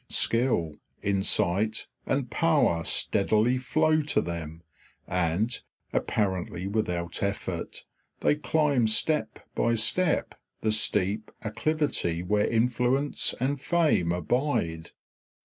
Skill, insight, and power steadily flow to them; and, apparently without effort, they climb step by step the steep acclivity where influence and fame abide.